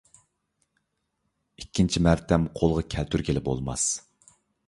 ئىككىنچى مەرتەم قولغا كەلتۈرگىلى بولماس.